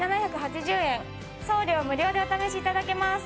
送料無料でお試し頂けます。